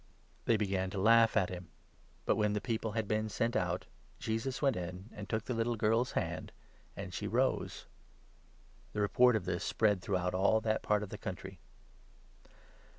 24 They began to laugh at him ; but, when the people had been 25 sent out, Jesus went in, and took the little girl's hand, and she rose. The report of this spread through all that 26 part of the country.